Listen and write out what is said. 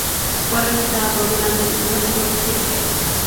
Fue arrestado durante el escándalo Spiegel.